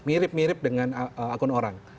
mirip mirip dengan akun orang